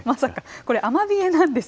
これ、アマビエなんです。